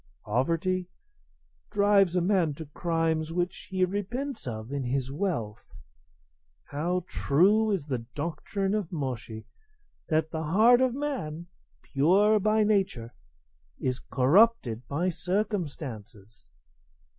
Poverty drives a man to crimes which he repents of in his wealth. How true is the doctrine of Moshi [Mencius], that the heart of man, pure by nature, is corrupted by circumstances!"